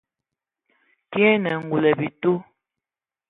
Kiŋ enə ngul ai bitil.